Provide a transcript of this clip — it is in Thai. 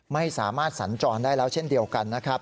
ไม่สามารถสัญจรได้แล้วเช่นเดียวกันนะครับ